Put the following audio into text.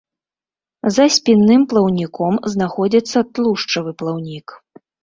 За спінным плаўніком знаходзіцца тлушчавы плаўнік.